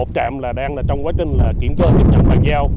một trạm đang trong quá trình kiểm tra và kiểm tra bàn giao